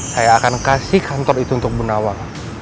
saya akan memberikan kantor itu untuk bu nawang